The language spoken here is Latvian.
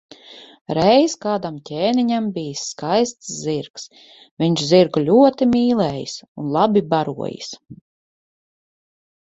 Reiz kādam ķēniņam bijis skaists zirgs, viņš zirgu ļoti mīlējis un labi barojis.